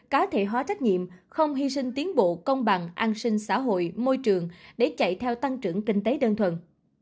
cá thể hóa trách nhiệm không hy sinh tiến bộ công bằng an sinh xã hội môi trường để chạy theo tăng trưởng kinh tế đơn thuần